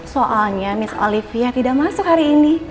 soalnya miss olivia tidak masuk hari ini